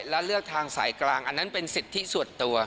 และเลือกทางสายกลางอันนั้นเป็นสิทธิส่วนตัว